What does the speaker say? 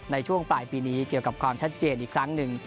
ในช่วงปลายปีนี้เกี่ยวกับความชัดเจนอีกครั้งหนึ่ง